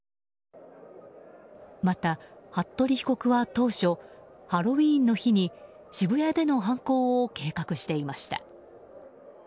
また服部被告は当初ハロウィーンの日に渋谷での犯行を計画していました。